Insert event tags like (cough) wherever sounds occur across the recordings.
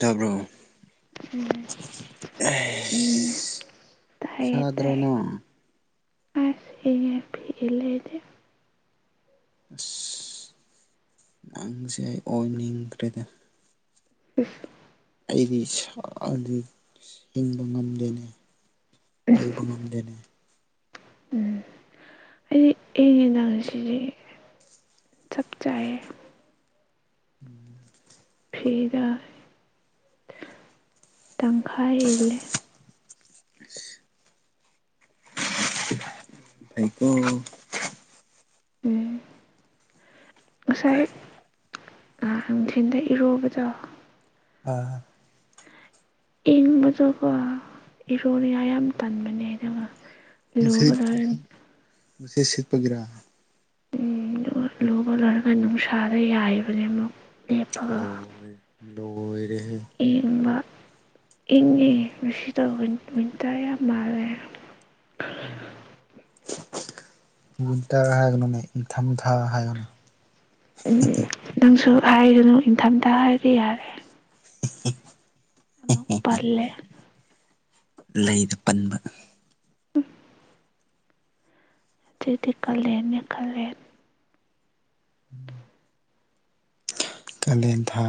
ꯇꯕ꯭ꯔꯣ ꯎꯝ ꯁꯥꯗ꯭ꯔꯅ ꯑ ꯐ ꯂꯩꯗ ꯑꯁ ꯅꯪꯁꯦ ꯑꯩ ꯑꯣꯏꯅꯤꯡꯈ꯭ꯔꯦꯗ ꯐꯐ ꯑꯩꯗꯤ ꯏꯁꯥꯗꯤ ꯍꯤꯡꯕ ꯉꯝꯗꯦꯅꯦ ꯩ ꯋꯥꯝꯗꯅ ꯍꯥꯏꯗꯤ ꯌꯦ ꯉꯟꯗꯥꯡꯁꯤꯗꯤ ꯆꯞ ꯆꯥꯏꯌꯦ ꯎꯝ ꯐꯤꯗ ꯇꯪꯈꯥꯏ ꯏꯂꯦ (unintelligible) ꯊꯀ ꯎꯝ ꯉꯁꯥꯏꯦ ꯑ ꯍꯊꯤꯟꯗ ꯏꯔꯨꯕꯗꯣ ꯑꯥ ꯏꯪꯕꯗꯣꯀꯣ ꯏꯔꯣꯅꯤ ꯌꯥꯝ ꯇꯟꯕꯅꯦꯗꯉ ꯂ ꯑꯗꯥꯔꯦ ꯃꯁꯤꯁꯦ ꯁꯤꯠꯄꯒꯔꯥ ꯎꯝ ꯂꯨꯕ ꯂꯣꯏꯔꯒ ꯝ ꯁꯥꯔ ꯌꯥꯏꯕꯅꯦ ꯑꯃꯨ ꯑꯣ ꯍ ꯇꯣꯏ ꯌꯦꯕ ꯏꯒꯤ ꯔꯨꯁꯤ ꯇ ꯇꯔ ꯌꯥꯝ ꯃꯥꯔꯦ ꯃꯗ ꯍꯥꯏꯒꯅꯅꯦ ꯏꯊ ꯃꯊꯥ ꯍꯥꯏꯒꯅꯤ ꯎꯝ ꯅꯪꯁꯨ ꯍꯥꯏꯁꯅꯨ ꯏꯪꯊꯝꯊꯥ ꯍꯥꯏꯔꯗꯤ ꯌꯥꯔꯦ ꯎ ꯎꯝ ꯑꯃꯛ ꯄꯂꯦ ꯂꯩꯗ ꯄꯟꯕ ꯑꯛꯇꯗꯤ ꯀꯥꯂꯦꯟ ꯌꯥ ꯀꯥꯂꯦꯟ ꯎꯝ ꯀꯂꯦꯟ ꯊ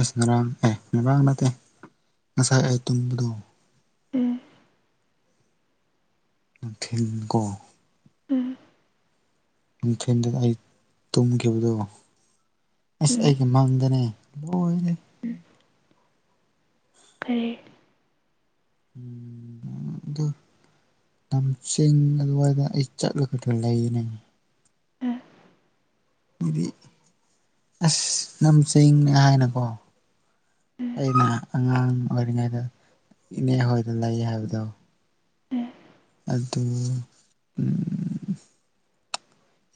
ꯑꯁ ꯉꯔꯥꯡ ꯑꯦ ꯉꯔꯥꯡ ꯅꯠꯇꯦ ꯉꯁꯥꯏ ꯑꯩ ꯇꯨꯝꯕꯗꯣ ꯎꯝ ꯐꯤꯂꯝ ꯀꯣ ꯎꯝ ꯅꯨꯡꯊꯤꯟꯗ ꯑꯩ ꯇꯨꯝꯈꯤꯕꯗꯣ ꯑꯁ ꯎꯝ ꯑꯩꯒꯤ ꯃꯥꯡꯗꯅꯦ ꯅꯦ ꯐꯔꯦ ꯎꯝ ꯑꯗꯨ ꯂꯝꯁꯤꯡ ꯑꯗꯨꯋꯥꯏꯗ ꯑꯩ ꯆꯠꯂꯒ ꯈ ꯈꯔ ꯂꯩꯌꯦꯅꯦ ꯎꯝ ꯑꯗꯨꯗꯤ ꯑꯁ ꯅꯝ ꯆꯦꯡꯅꯦ ꯍꯥꯏꯅꯀꯣ ꯎꯝ ꯑꯩꯅ ꯑꯉꯥꯡ ꯑꯣꯏꯔꯤꯉꯩꯗ ꯏꯅꯦ ꯍꯣꯏꯗꯅ ꯂꯩ ꯍꯥꯏꯕꯗꯣ ꯎꯝ ꯑꯗꯨ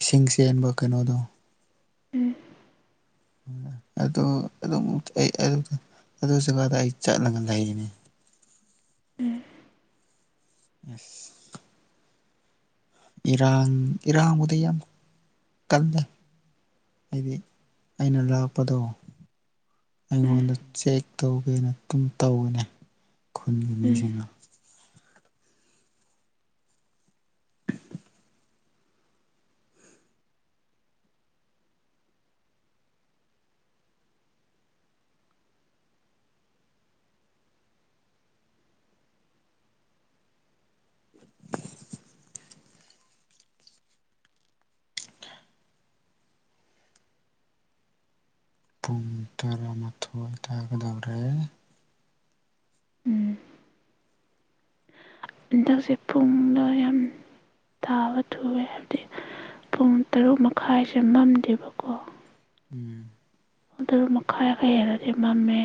ꯏꯁꯤꯡ ꯆꯦꯟꯕ ꯀꯩꯅꯣꯗꯣ ꯎꯝ ꯑꯗꯨ ꯑꯗꯨꯗ ꯑꯩ ꯆꯠꯂꯒ ꯂꯩꯒꯅꯤ ꯎꯝ ꯑꯁ ꯏꯔꯥꯡ ꯏꯔꯥꯡꯕꯨꯗꯤ ꯌꯥꯝ ꯀꯜꯂꯦ ꯍꯥꯏꯗꯤ ꯑꯩꯅ ꯂꯥꯛꯄꯗꯣ ꯎꯝ ꯑꯩꯉꯣꯟꯗ ꯆꯦꯛ ꯇꯧꯒꯦꯅ ꯑꯗꯨꯝ ꯇꯧꯋꯅꯦ ꯈꯨꯟꯒꯤ ꯎꯝ ꯃꯤꯁꯤꯡꯅ ꯄꯨꯡ ꯇꯔꯥꯃꯥꯊꯣꯏ ꯇꯥꯒꯗꯧꯔꯦ ꯎꯝ ꯍꯟꯗꯛꯁꯦ ꯄꯨꯡꯗ ꯌꯥꯝ ꯇꯥꯕ ꯊꯨꯑꯦ ꯍꯥꯏꯕꯗꯤ ꯄꯨꯡ ꯇꯔꯨꯛ ꯃꯈꯥꯏꯁꯦ ꯃꯝꯗꯦꯕꯀꯣ ꯎꯝ ꯑꯣꯗꯔ ꯃꯈꯥꯏꯒ ꯍꯦꯜꯟꯅꯗꯤ ꯃꯝꯃꯦ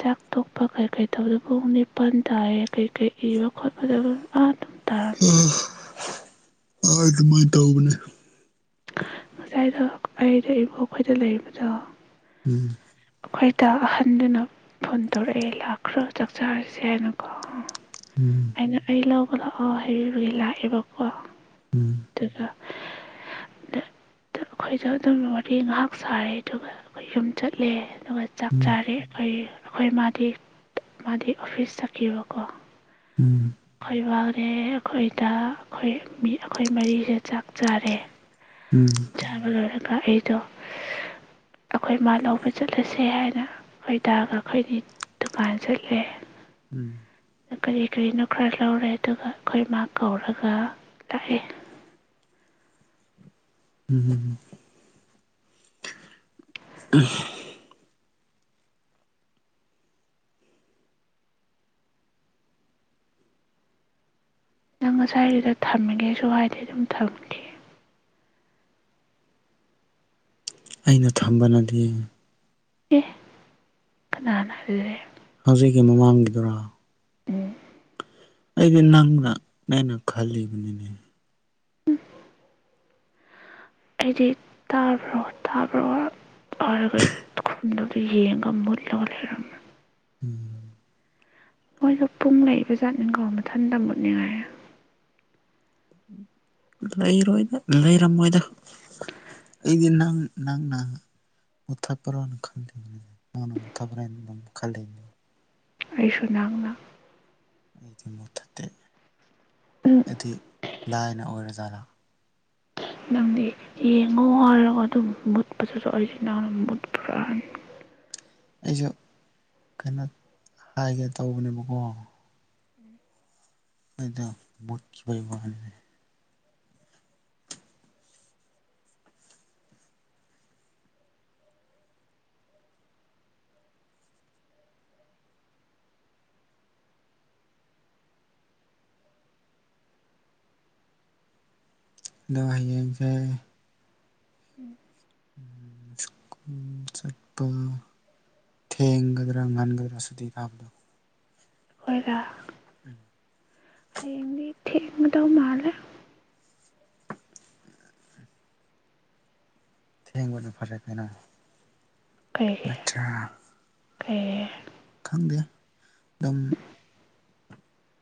ꯆꯥꯛ ꯇꯣꯛꯄ ꯀꯩ ꯀꯩ ꯇꯧꯕꯗ ꯄꯨꯡ ꯅꯤꯄꯜ ꯇꯥꯏꯌꯦ ꯀꯩꯀꯩ ꯏꯕ ꯈꯣꯠꯄꯗ ꯑꯥ ꯑꯗꯨꯝ ꯇꯥꯔꯝꯃꯦ ꯎꯝ ꯑ ꯑꯗꯨꯃꯥꯏꯅ ꯇꯧꯕꯧꯕꯅꯦ ꯉꯁꯥꯏꯗ ꯑꯩꯩꯅ ꯏꯕꯨꯡꯈꯣꯏꯗ ꯂꯩꯔꯤꯕꯗꯣ ꯎꯝ ꯑꯩꯈꯣꯏꯗ ꯑꯍꯟꯗꯨꯅ ꯐꯣꯟ ꯇꯧꯔꯛꯑꯦ ꯂꯥꯛꯈ꯭ꯔꯣ ꯆꯥꯛꯆꯥꯔꯁꯦ ꯍꯥꯏꯅꯀꯣ ꯎꯝ ꯑꯩꯅ ꯑꯩ ꯂ ꯂꯥꯛꯑꯣ ꯍꯥꯏꯩꯕꯤꯕꯒꯤ ꯂꯥꯛꯑꯦꯕꯀꯣ ꯎꯝ ꯑꯗꯨꯒ ꯑꯩꯈꯣꯏꯗ ꯑꯗꯨꯝ ꯋꯥꯔꯤ ꯉꯥꯏꯍꯥꯛ ꯁꯥꯔꯦ ꯑꯗꯨꯒ ꯑꯩꯈꯣꯏ ꯌꯨꯝꯆꯠ ꯄ꯭ꯂꯦ ꯑꯗꯨꯒ ꯆꯥꯛ ꯎꯝ ꯆꯥꯔꯤ ꯑꯩꯈꯣꯏ ꯑꯩꯈꯣꯏ ꯃꯥꯗꯤ ꯃꯥꯗꯤ ꯑꯣꯐꯤꯁ ꯆꯠꯈꯤꯕꯀꯣ ꯐꯕ ꯦ ꯑꯩꯈꯣꯏꯗ ꯑꯩꯈꯣꯏ ꯑꯩꯈꯣꯏ ꯃꯔꯤꯁꯦ ꯆꯥꯛ ꯆꯥꯔꯦ ꯎꯝ ꯎꯝ ꯆꯥꯕ ꯑꯗꯨꯒ ꯑꯩꯗꯣ ꯑꯩꯈꯣꯏ ꯃꯥ ꯂꯧꯕ ꯆꯠꯂꯁꯦ ꯍꯥꯏꯅ ꯑꯩꯣꯏ ꯇꯔꯒ ꯑꯩꯈꯣꯏꯗꯤ ꯗꯨꯀꯥꯟ ꯆꯠꯂꯦ ꯎꯝ ꯀꯔꯤ ꯀꯔꯤꯅꯣ ꯈꯔ ꯂꯧꯔꯦ ꯑꯗꯨꯒ ꯑꯩꯈꯣꯏ ꯃꯥ ꯀꯧꯔꯒ ꯂꯥꯛꯑꯦ ꯎꯝꯝ ꯅꯪ ꯉꯁꯥꯏꯗꯨꯗ ꯊꯝꯃꯤꯒꯦꯁꯨ ꯍꯥꯏꯗꯤ ꯑꯗꯨꯝ ꯊꯝꯈꯤ ꯑꯩꯅ ꯊꯝꯕꯅꯗꯤ ꯑꯦ ꯅꯅꯗꯦ ꯍꯧꯖꯤꯛꯀꯤ ꯃꯃꯥꯡꯒꯤꯗꯨꯔꯥ ꯎꯝ ꯑꯩꯗꯤ ꯅꯪꯅ ꯅꯩꯅ ꯈꯜꯂꯤꯕꯅꯤꯅꯦ ꯑꯩꯗꯤ ꯇꯥꯕ꯭ꯔꯣ ꯇꯥꯕ꯭ꯔꯣꯔꯒ ꯈꯗ ꯌꯦꯡꯒ ꯃꯨꯂꯒ ꯂꯩꯔꯝ ꯎꯝ ꯃꯣꯏꯁꯨ ꯄꯨꯡ ꯂꯩꯏꯕ ꯖꯥꯠꯃꯤꯟꯈ ꯃꯊꯟꯇ ꯃꯨꯠꯅꯤꯡꯉꯥꯏ ꯂꯩꯔꯣꯏꯗ ꯂꯩꯔꯝꯃꯣꯏꯗ ꯑꯩꯗꯤ ꯅꯪ ꯅꯪꯅ ꯃꯨꯊꯠꯄ꯭ꯔꯣꯅ ꯈꯜꯂꯤ ꯅꯪꯅ ꯃꯨꯊꯄ꯭ꯔꯥ ꯍꯥꯏꯅ ꯈꯜꯂꯤꯅꯤ ꯑꯩꯁꯨꯅꯥꯂ ꯑꯩꯗꯤ ꯃꯊꯗꯤ ꯎꯝ ꯑꯗꯨ ꯂꯥꯏꯅ ꯑꯣꯏꯔ ꯖꯥꯠꯂꯥ ꯅꯪꯗꯤ ꯌꯦꯡꯉꯣ ꯍꯥꯏꯔꯒ ꯑꯗꯨꯝ ꯃꯨꯠꯄꯁꯨ ꯑꯩꯁꯤꯅꯥꯅ ꯃꯨꯠꯄ꯭ꯔꯥꯥꯟ ꯑꯩꯁꯨ ꯀꯩꯅꯣ ꯍꯥꯏꯒꯦ ꯇꯧꯕꯅꯦꯕꯀꯣ ꯑꯩꯣꯏꯗ ꯃꯨꯠ ꯄꯩꯕꯅꯦ ꯑꯗꯣ ꯍꯌꯦꯡꯁꯦ ꯎ ꯁ꯭ꯀꯨꯜ ꯆꯠꯄ ꯊꯦꯡꯒꯗ꯭ꯔꯥ ꯉꯟꯒꯗ꯭ꯔꯥ ꯁꯨꯇꯤ ꯊꯥꯕꯗꯣ ꯑꯩꯈꯣꯏꯔ ꯍꯌꯦꯡꯗꯤ ꯊꯦꯡꯗꯧ ꯃꯥꯂꯦ ꯊꯦꯡꯕꯅ ꯐꯔꯛ ꯍꯥꯏꯅ ꯑꯆꯥꯆꯥ ꯑꯦ ꯈꯪꯗꯦ ꯑꯗꯨꯝ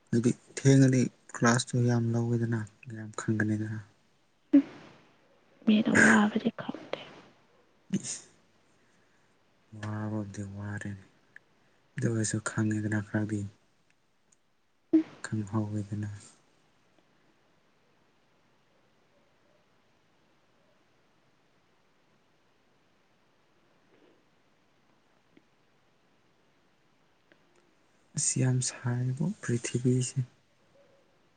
ꯑꯗꯨꯗꯤ ꯊꯦꯡꯉꯗꯤ ꯀ꯭ꯂꯥꯁꯇꯨ ꯌꯥꯝ ꯂꯧꯋꯦꯗꯅ ꯌꯥꯝ ꯈꯪꯒꯅꯤꯗꯅ ꯋꯥ ꯍꯥꯕꯔ ꯈꯥꯦ (unintelligible) ꯋꯥꯕꯕꯨꯗꯤ ꯋꯥꯔꯦꯅꯦ ꯑꯗꯨꯒꯁꯨ ꯈꯪꯉꯤꯗꯅ ꯈꯥꯕꯤ ꯈꯪꯍꯥꯎꯋꯦꯗꯅ ꯑꯁꯤ ꯌꯥꯝ ꯁꯦꯕ ꯄ꯭ꯔꯤꯊꯤꯕꯤꯁꯦ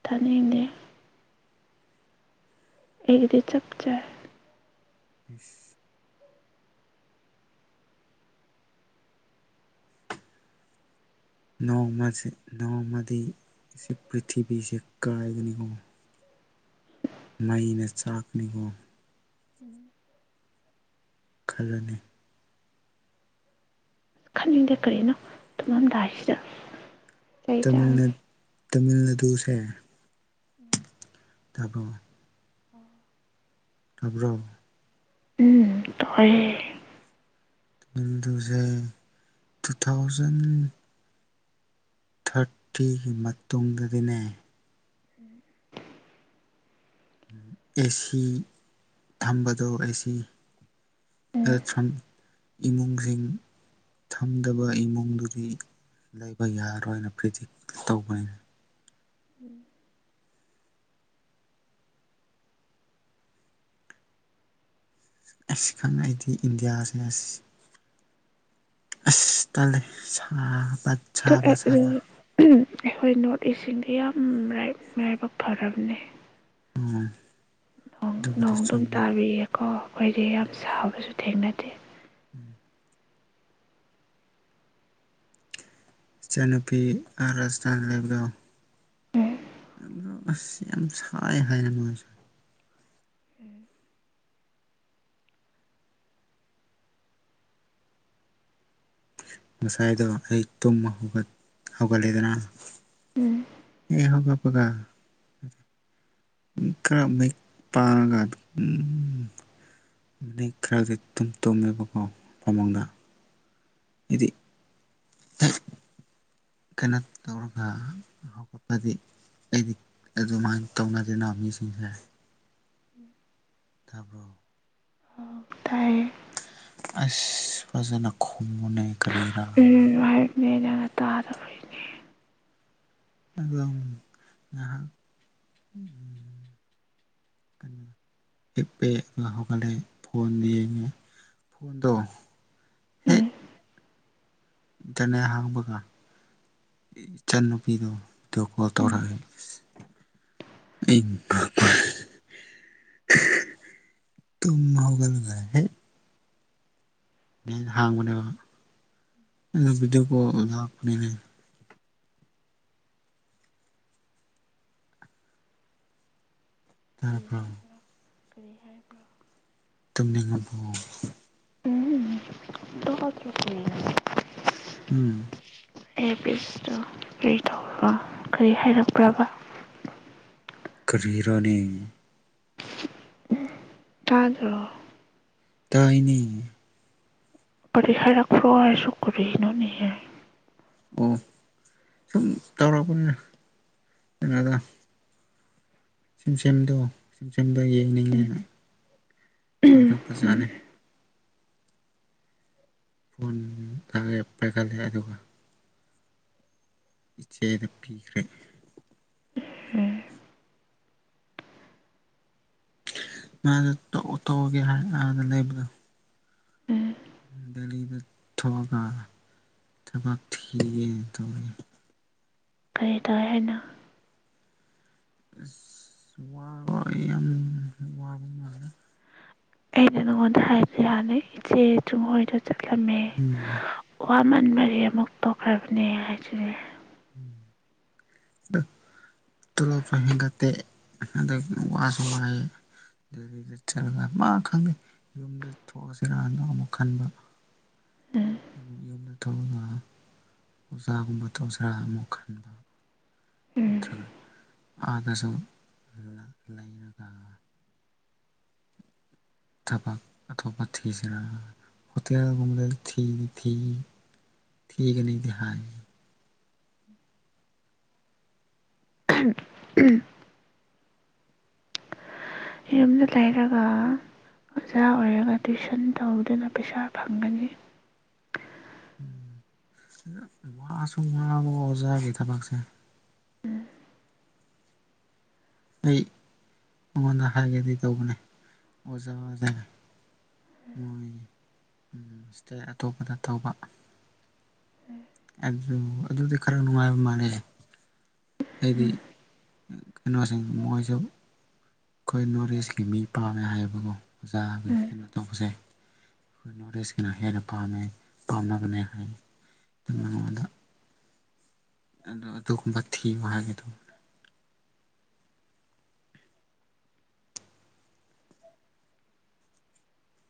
ꯊꯥꯅꯤꯡꯉꯦ ꯑꯩꯒꯤꯗꯤ ꯆꯞ ꯆꯥꯏ ꯏꯁ ꯅꯣꯡꯃꯁꯦ ꯅꯣꯡꯃꯗꯤ ꯁꯤ ꯄ꯭ꯔꯤꯊꯤꯕꯤꯁꯦ ꯀꯥꯏꯒꯅꯤ ꯈꯪꯉꯣ ꯃꯩꯅ ꯆꯥꯛꯅꯤꯒꯣ ꯈꯔꯅꯤ ꯈꯟꯅꯤꯡꯗꯦ ꯀꯔꯤꯅꯣ ꯇꯨꯝꯃꯝꯗꯥꯏꯁꯤꯗ ꯀꯩ ꯆꯥꯔꯒꯦ ꯇꯃꯤꯜꯅꯥ ꯗꯨꯁꯦ ꯎꯝ ꯇꯥꯕꯔꯣ ꯑꯣ ꯇꯕ꯭ꯔꯣ ꯎꯝ ꯇꯥꯏꯌꯦ (unintelligible) ꯗꯨꯁꯦ ꯇꯨ ꯊꯥꯎꯖꯟ ꯊꯥꯔꯇꯤꯒꯤ ꯃꯇꯨꯡꯗꯗꯤꯅꯦ ꯑꯦꯁꯤ ꯊꯝꯕꯗꯣ ꯑꯦꯁꯤ ꯎꯝ ꯏꯃꯨꯡꯁꯤꯡ ꯊꯝꯗꯕ ꯏꯃꯨꯡꯗꯨꯗꯤ ꯂꯩꯕ ꯌꯥꯔꯣꯏꯅ ꯄ꯭ꯔꯤꯗꯤꯛ ꯇꯧꯕꯅꯤꯅ ꯑꯁ ꯈꯪ ꯑꯩꯗꯤ ꯏꯟꯗꯤꯌꯥꯁꯤꯅ ꯑꯁ ꯑꯁ ꯇꯜꯂꯦ ꯁꯥ ꯎꯝ ꯑꯩꯈꯣꯏ ꯅꯣꯔꯠ ꯏꯁꯁꯤꯡꯗꯤ ꯌꯥꯝ ꯂꯥꯏꯕꯛ ꯐꯔꯕꯅꯦ ꯎꯝ ꯅꯣꯡ ꯑꯗꯨꯝ ꯇꯥꯕꯤꯌꯦꯀꯣ ꯑꯩꯈꯣꯏꯗꯤ ꯌꯥꯝ ꯁꯥꯕꯁꯨ ꯊꯦꯡꯅꯩ ꯗꯦ ꯏꯆꯟꯅꯨꯄꯤ ꯔꯥꯖꯊꯥꯟ ꯂꯩꯕꯗ‌ꯣ ꯎꯝ ꯑꯁ ꯑꯁ ꯌꯥꯝ ꯁꯥꯏ ꯍꯥꯏꯅ ꯃꯣꯏꯁꯨ ꯉꯁꯥꯏꯗꯣ ꯑꯩ ꯇꯨꯝꯕ ꯍꯧ ꯍꯧꯒꯠꯂꯦꯗꯅ ꯑꯦ ꯍꯧꯒꯠꯄꯀꯥ ꯈꯔ ꯃꯌꯦꯛ ꯄꯥꯡꯉꯒ ꯑꯗꯨꯝ ꯃꯤꯠ ꯈꯔꯗꯤ ꯇꯨꯝ ꯇꯨꯝꯃꯦꯕꯀꯣ ꯐꯃꯪꯗ ꯏꯗꯤ ꯍ ꯀꯩꯅꯣ ꯇꯧꯔꯒ ꯍꯧꯒꯠꯄꯗꯤ ꯑꯩꯗꯤ ꯑꯗꯨꯃꯥꯏꯅ ꯇꯧꯅꯗꯅ ꯃꯤꯁꯤꯡꯁꯦ ꯎꯝ ꯇꯥꯕ꯭ꯔꯣ ꯇꯥꯏꯌꯦ ꯑꯁ ꯐꯖꯅ ꯈꯨꯝꯃꯨꯅꯦ ꯀꯔꯤꯔꯥ ꯎꯝ (unintelligible) ꯇꯥꯗꯕꯩꯅꯦ ꯑꯗꯣ ꯉꯍꯥꯛ ꯎꯝ ꯍꯤꯞꯄꯦ ꯍꯧꯒꯠꯂ‌ꯦ ꯐꯣꯟ ꯌ‌ꯦꯡꯉ‌ꯦ ꯐꯣꯟꯗ‌ꯣ ꯍꯦꯛ ꯎꯝ ꯆꯅ ꯍꯥꯡꯕꯒ ꯏꯆꯟ ꯅꯨꯨꯄꯤꯗꯣ ꯗꯨ ꯀꯣꯜ ꯎꯝ ꯇꯧꯔꯛꯑ‌ꯦ (unintelligible) ꯇꯨꯝ ꯍꯧꯒꯂꯕ ꯍꯦꯛ ꯅꯦꯠ ꯍꯥꯡꯕꯅꯦꯕ ꯑ ꯚꯗꯤꯑꯣ ꯀ‌ꯣꯜ ꯑꯣ ꯂꯥꯛꯄꯅꯦ ꯀꯔꯤ ꯇꯥꯕ꯭ꯔꯣ ꯍꯥꯏꯕꯔ‌ꯣ ꯀꯔꯤ ꯍꯥꯏꯕꯔ‌ꯣ ꯇꯨꯝꯅꯤꯡꯉꯕꯣ ꯎꯝ ꯇꯥꯗꯔ꯭ꯕꯣ ꯎꯝ ꯏꯌꯔꯥꯄꯤꯁ ꯀꯔꯤ ꯇꯧꯕꯔ ꯀꯔꯤ ꯍꯥꯏꯔꯛꯄ꯭ꯔꯕ ꯀꯔꯤꯔꯅꯤ ꯇꯗꯔꯣ ꯇꯥꯏꯅꯤ ꯑꯗꯨ ꯍꯥꯏꯔꯛꯄꯁꯨ ꯀꯔꯤꯅꯣꯅꯦ ꯑꯣ ꯁꯨꯝ ꯇꯧꯔꯛꯄꯅꯦ ꯀꯩꯅꯗ ꯁꯦꯝꯨꯝ ꯁꯦꯝꯦꯝꯗꯣ ꯆꯨꯝ ꯁꯦꯝꯦꯝꯗꯣ ꯎꯝ ꯌꯦꯡꯅꯤꯡꯉꯦꯅ ꯎꯝ ꯇꯧꯔꯛꯄꯖꯥꯠꯅꯤ ꯐꯣꯟ ꯇꯦ ꯄꯦꯒꯂꯦ ꯍꯥꯏꯗ ꯏꯆꯦꯗ ꯄꯤꯈ꯭ꯔꯦ ꯎꯝ ꯃꯥꯗ ꯇꯊꯣꯛꯑꯒꯦ ꯍꯥꯏ ꯑꯗ ꯂꯩꯕꯗꯣ ꯎꯝ ꯗꯦꯜꯂꯤꯗ ꯊꯣꯛꯑꯒ ꯊꯕ ꯊ ꯇ ꯐꯔꯦ ꯇꯔ ꯍꯥꯏꯟꯅ ꯑꯁ ꯋꯥꯕ ꯌꯥꯝ ꯋꯥꯕ ꯃꯥꯜꯂꯦ ꯑꯩꯅ ꯅꯉꯣꯟꯗ ꯍꯥꯏꯕ ꯌꯥꯅꯤ ꯏꯆꯦ ꯆꯨꯡꯣꯏ ꯆꯠ ꯃ ꯎꯝ ꯋꯥ ꯃꯟ ꯃꯔꯤ ꯑꯃꯨꯛ ꯇꯣꯛꯈ꯭ꯔꯕꯅꯦ ꯍꯥꯏꯖꯅꯦ ꯎꯝ ꯑꯗꯣ ꯇꯣꯂꯣꯞꯁꯨ ꯍꯦꯟꯒꯠꯇꯦ ꯑꯗꯒꯤ ꯋꯥꯁꯨ ꯋꯥꯏꯑꯦ ꯑꯗꯨꯗꯒꯤꯗ ꯆꯠꯂꯒ ꯃꯥ ꯈꯪꯗꯦ ꯌꯨꯝꯗ ꯊꯣꯛꯑꯁꯤꯔꯗ ꯑꯃꯨꯛ ꯈꯟꯕ ꯎꯝ ꯌꯨꯝꯗ ꯇꯧꯔꯒ ꯑꯣꯖꯥꯒꯨꯝꯕ ꯇꯧꯖꯔꯥ ꯑꯃꯨꯛ ꯈꯟꯕ ꯅꯠꯇ꯭ꯔꯒ ꯎꯝ ꯑꯥꯗꯁꯨ ꯂꯩꯔꯒ ꯊꯕꯛ ꯑꯇꯣꯞꯄ ꯊꯤꯁꯤꯔꯥ ꯍꯣꯇꯦꯜꯒꯨꯝꯕꯗꯗꯤ ꯊꯤꯗꯤ ꯊꯤ ꯊꯤꯒꯅꯤꯗꯤ ꯍꯥꯏ ꯎꯝ ꯌꯨꯝꯗ ꯂꯩꯔꯒ ꯑꯣꯖꯥ ꯑꯣꯏꯔꯒ ꯇ꯭ꯋꯏꯤꯁꯟ ꯇꯧꯗꯨꯅ ꯄꯩꯁꯥ ꯐꯪꯒꯅꯤ ꯎ ꯋꯥꯁꯨꯨꯝ ꯋꯥꯉ ꯑꯣꯖꯥꯒꯤ ꯊꯕꯛꯁꯦ ꯑꯩ ꯑꯩꯉꯣꯟꯗ ꯍꯥꯏꯒꯦꯗꯤ ꯇꯧꯕꯅꯦ ꯑꯣꯖꯥ ꯑꯣꯖꯥꯅ ꯃꯣꯏ ꯏꯁꯇꯦꯠ ꯑꯇꯣꯞꯄꯗ ꯇꯧꯕ ꯑꯗꯨ ꯑꯗꯨꯗꯤ ꯈꯔ ꯅꯨꯡꯉꯥꯏꯕ ꯃꯥꯟꯅꯩ ꯑꯩꯗꯤ ꯀꯩꯅꯣꯁꯤꯡ ꯃꯣꯏꯁꯨ ꯑꯩꯈꯣꯏ ꯅꯣꯔꯠ ꯏꯁꯀꯤ ꯃꯤ ꯄꯥꯝꯃꯦ ꯍꯥꯏꯌꯦꯕꯀꯣ ꯑꯣꯖꯥꯒꯤ ꯎꯝ ꯍꯦꯟꯅ ꯇꯧꯕꯁꯦ ꯑꯩꯈꯣꯏ ꯅꯣꯔꯠ ꯏꯁꯀꯤꯅ ꯍꯦꯟꯅ ꯄꯥꯝꯃꯦ ꯄꯥꯝꯅꯕꯅꯦ ꯍꯥꯏ ꯅꯉꯣꯟꯗ ꯑꯗ ꯑꯗꯨ ꯑꯗꯨꯒꯨꯝꯕ ꯊꯤ ꯃꯍ ꯍꯥꯏꯥꯒꯗ